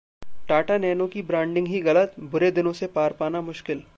Tata Nano की branding ही गलत, बुरे दिनों से पार पाना मुश्किल